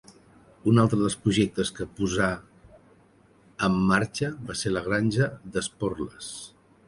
Un altre dels projectes que posà em marxa va ser la granja d'Esporles.